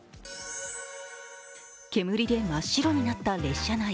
煙で真っ白になった列車内。